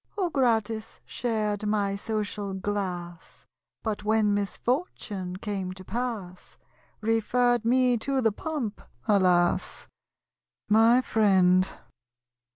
Who, gratis, shared, my social glass, But when misfortune came to pass, Referr'd me to the pump? Alas! My Friend.